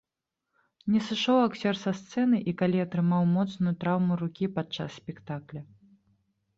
Не сышоў акцёр са сцэны і калі атрымаў моцную траўму рукі падчас спектакля.